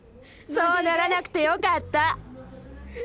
そうならなくてよかった。